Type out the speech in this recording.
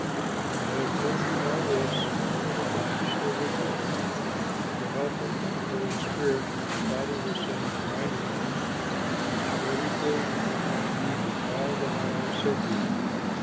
"I have told you all this while I am still with you; but the Helper, the Holy Spirit, whom the Father will send in my name, will teach you everything and remind you of all that I have said to you.